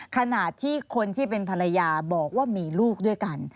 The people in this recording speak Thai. ขณะที่คนที่เป็นภรรยาบอกว่ามีลูกด้วยกัน